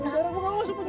agar aku gak masuk